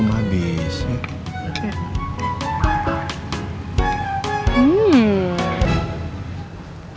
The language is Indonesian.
ini kan belum habis